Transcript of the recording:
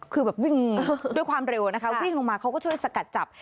คือแบบวิ่งด้วยความเร็วนะคะวิ่งลงมาเขาก็ช่วยสกัดจับ